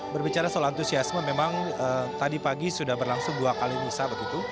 berbicara soal antusiasme memang tadi pagi sudah berlangsung dua kali misa begitu